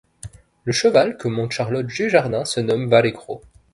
Le cheval que monte Charlotte Dujardin se nomme Valegro.